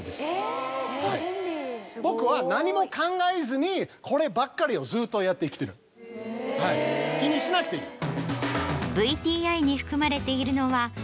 ・すごい便利・僕は何も考えずにこればっかりをずっとやってきてる気にしなくていい。